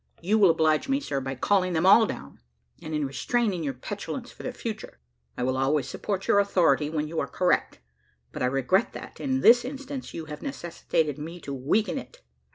You will oblige me, sir, by calling them all down, and in restraining your petulance for the future. I will always support your authority when you are correct; but I regret that, in this instance, you have necessitated me to weaken it."